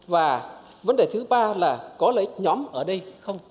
và vấn đề thứ ba là có lợi nhóm ở đây không